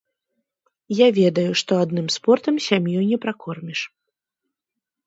Я ведаю, што адным спортам сям'ю не пракорміш.